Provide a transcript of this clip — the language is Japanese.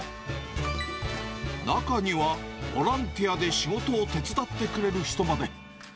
中には、ボランティアで仕事を手伝ってくれる人まで。